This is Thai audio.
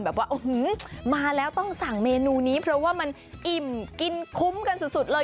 แบบว่ามาแล้วต้องสั่งเมนูนี้เพราะว่ามันอิ่มกินคุ้มกันสุดเลย